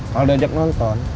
kalau dia ajak nonton